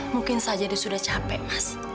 mungkin saja dia sudah capek mas